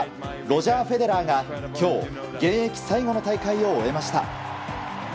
ロジャー・フェデラーが今日、現役最後の大会を終えました。